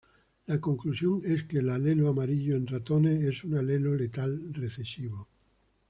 La conclusión es que el alelo amarillo en ratones es un alelo letal recesivo.